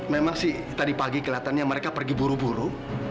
memang sih tadi pagi kelihatannya mereka pergi buru buru